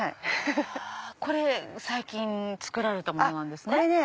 これ最近作られたものなんですか？